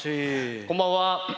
こんばんは。